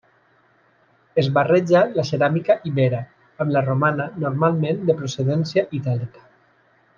Es barreja la ceràmica ibera amb la romana, normalment de procedència itàlica.